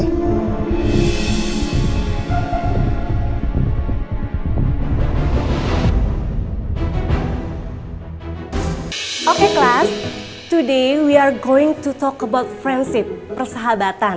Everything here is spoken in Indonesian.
hari ini kita akan bicara tentang friendship persahabatan